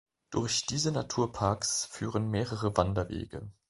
Durch diese Naturparks führen mehrere Wanderwege.